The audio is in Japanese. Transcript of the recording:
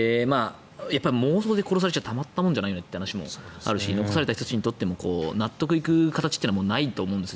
妄想で殺されちゃたまったもんじゃないなという話でもあるし残された人にとっても納得する形というのはないと思うんです。